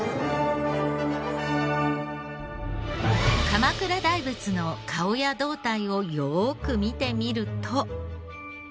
鎌倉大仏の顔や胴体をよーく見てみると。